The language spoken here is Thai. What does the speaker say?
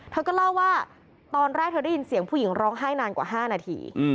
เธอก็เล่าว่าตอนแรกเธอได้ยินเสียงผู้หญิงร้องไห้นานกว่า๕นาที